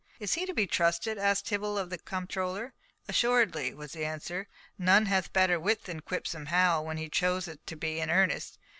"Is he to be trusted?" asked Tibble of the comptroller. "Assuredly," was the answer; "none hath better wit than Quipsome Hal, when he chooseth to be in earnest.